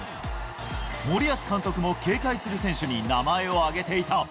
森保監督も警戒する選手に名前を挙げていた。